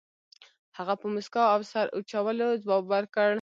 هغه په موسکا او سر اچولو ځواب ورکړ.